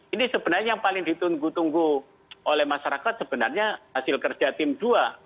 ini sebenarnya yang paling ditunggu tunggu oleh masyarakat sebenarnya hasil kerja tim dua